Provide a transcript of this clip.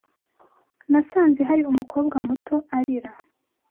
Nasanze hari umukobwa muto arira.